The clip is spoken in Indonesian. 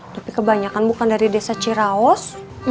tapi kebanyakan bukan dari desa ciraos